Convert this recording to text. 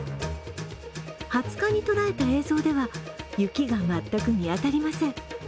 ２０日に捉えた映像では雪が全く見当たりません。